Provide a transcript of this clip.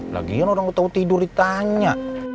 lagian orang tahu tidur ditanya